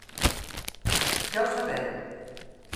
Ja ho sabem.